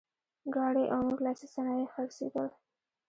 ګاڼې او نور لاسي صنایع یې خرڅېدل.